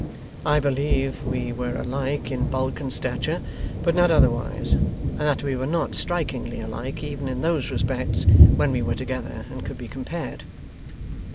I believe we were alike in bulk and stature but not otherwise, and that we were not strikingly alike, even in those respects, when we were together and could be compared.